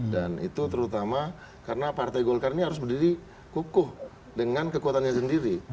dan itu terutama karena partai golkar ini harus berdiri kukuh dengan kekuatannya sendiri